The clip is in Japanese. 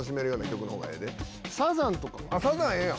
サザンええやん！